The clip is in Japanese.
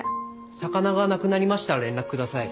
魚がなくなりましたら連絡ください。